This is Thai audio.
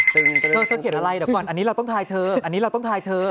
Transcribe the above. เธอเขียนอะไรเดี๋ยวก่อนอันนี้เราต้องทายเธอ